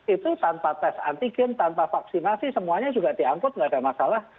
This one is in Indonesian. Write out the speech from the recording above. itu tanpa tes antigen tanpa vaksinasi semuanya juga diangkut nggak ada masalah